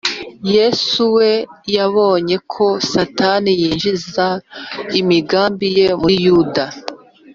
yesu we yabonye ko satani yinjiza imigambi ye muri yuda,